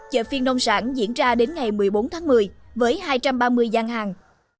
chợ phiên nông sản diễn ra đến ngày một mươi bốn tháng một mươi với hai trăm ba mươi gian hàng